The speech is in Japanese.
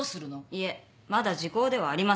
いえまだ時効ではありません。